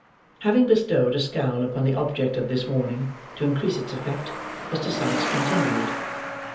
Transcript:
Having bestowed a scowl upon the object of this warning, to increase its effect, Mr. Sikes continued.